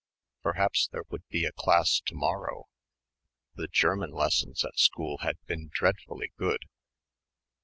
Perhaps there would be a class to morrow.... The German lessons at school had been dreadfully good....